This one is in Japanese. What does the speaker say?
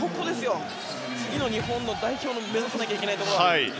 次の日本の代表の目指さなきゃいけないところ。